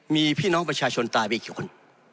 มีพี่น้องประชาชนตายไปกี่คน